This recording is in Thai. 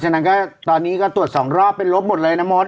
เพราะฉะนั้นก็ตอนนี้ก็ตรวจสองรอบเป็นลบหมดเลยนะโมส